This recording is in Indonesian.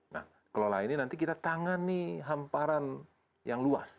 nah kelola ini nanti kita tangani hamparan yang luas